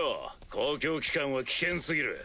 公共機関は危険すぎる。